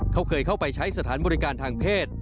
เขาเคยเข้าไปใช้สถานบริการทางเพศ